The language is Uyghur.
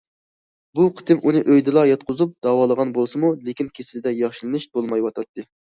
بۇ قېتىم ئۇنى ئۆيدىلا ياتقۇزۇپ داۋالىغان بولسىمۇ، لېكىن كېسىلىدە ياخشىلىنىش بولمايۋاتاتتى.